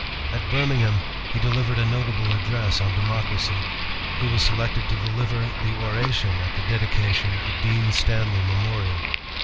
At Birmingham he delivered a noble address on Democracy. He was selected to deliver the oration at the dedication of the Dean Stanley Memorial.